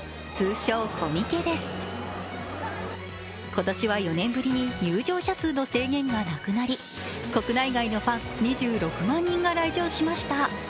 今年は４年ぶりに入場者数の制限がなくなり国内外のファン２６万人が来場しました。